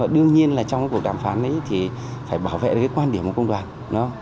đương nhiên trong cuộc đàm phán phải bảo vệ quan điểm của công đoàn